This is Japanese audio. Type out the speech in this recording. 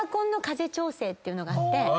ていうのがあって。